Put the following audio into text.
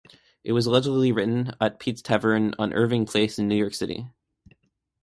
It was allegedly written at Pete's Tavern on Irving Place in New York City.